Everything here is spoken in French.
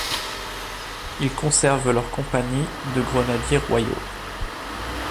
Ils conservent leurs compagnies de grenadiers royaux.